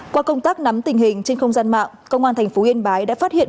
qua công tác nắm tình hình trên không gian mạng công an thành phố yên bái đã phát hiện